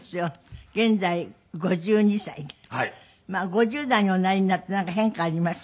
５０代におなりになってなんか変化ありました？